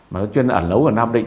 mà nó chuyên ẩn nấu ở nam định